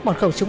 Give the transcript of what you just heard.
một khẩu súng